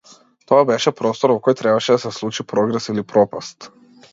Тоа беше простор во кој требаше да се случи прогрес или пропаст.